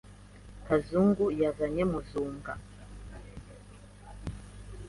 Kazungu yazanye muzunga